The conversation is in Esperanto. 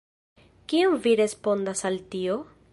Kion vi respondas al tio?